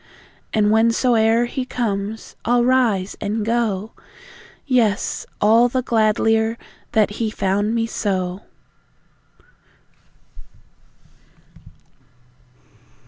And whensoe'er He comes, I'll rise and go, Yes, all the gladlier that He found me so.